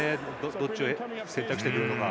どっちを選択してくるのか。